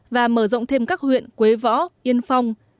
và mở rộng thêm các huyện quế võ yên phong